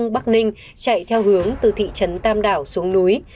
bắc ninh chạy theo hướng từ thị trấn tam đảo xuống núi